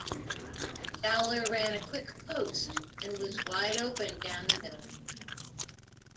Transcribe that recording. Dowler ran a quick post and was wide open down the middle.